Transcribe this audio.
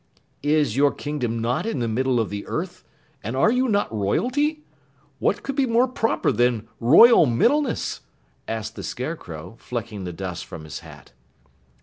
"Is your kingdom not in the middle of the earth, and are you not royalty? What could be more proper than Royal Middleness?" asked the Scarecrow, flecking the dust from his hat.